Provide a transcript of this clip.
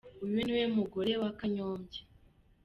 Uyu ni we mugore wa Kanyombya.